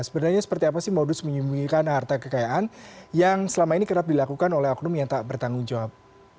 sebenarnya seperti apa sih modus menyembunyikan harta kekayaan yang selama ini kerap dilakukan oleh oknum yang tak bertanggung jawab